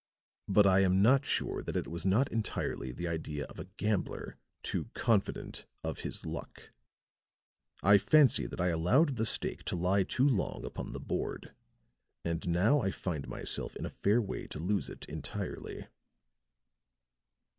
"But I am not sure that it was not entirely the idea of a gambler, too confident of his luck. I fancy that I allowed the stake to lie too long upon the board; and now I find myself in a fair way to lose it entirely."